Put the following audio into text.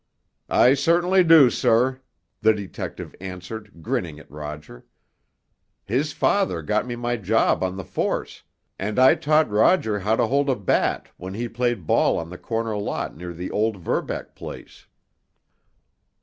"I certainly do, sir," the detective answered, grinning at Roger. "His father got me my job on the force, and I taught Roger how to hold a bat when he played ball on the corner lot near the old Verbeck place."